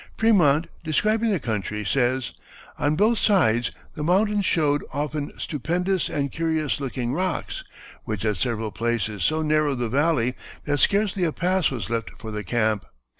Frémont, describing the country, says: "On both sides the mountains showed often stupendous and curious looking rocks, which at several places so narrowed the valley that scarcely a pass was left for the camp.